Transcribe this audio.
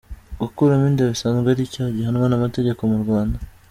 Gukuramo inda bisanzwe ari icyaha gihanwa n’amategeko mu Rwanda.